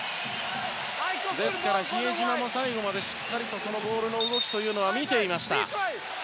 ですから、比江島も最後までしっかりボールの動きは見ていました。